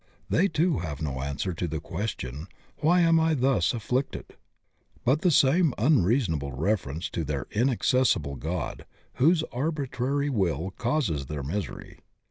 They too have no answer to the question "Why am I thus afflicted?" but the same unreasonable reference to an inaccessible God whose arbitrary will causes their misery.